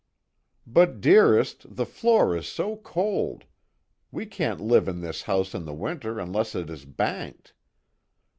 "But, dearest, the floor is so cold. We can't live in this house in the winter unless it is banked.